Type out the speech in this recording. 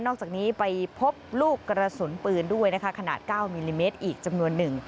อกจากนี้ไปพบลูกกระสุนปืนด้วยนะคะขนาด๙มิลลิเมตรอีกจำนวนหนึ่ง